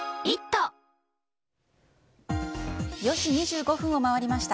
４時２５分を回りました。